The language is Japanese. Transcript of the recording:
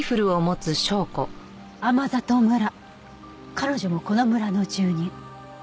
彼女もこの村の住人。